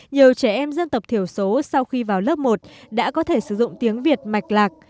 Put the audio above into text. nhiều trẻ em dân tộc thiểu số sau khi vào lớp một đã có thể sử dụng tiếng việt mạch lạc